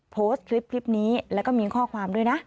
โพสต์คลิปนี้แล้วก็มีข้อความด้วยนะ